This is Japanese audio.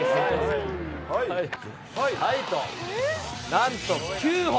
なんと９本。